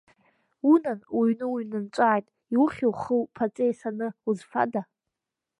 Унан, уҩны уҩнанҵәааит, иухьи, ухи уԥаҵеи саны, узфада?!